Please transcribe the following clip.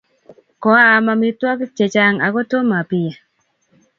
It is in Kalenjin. Ka am amitwogik chechang' ako tomo apiey.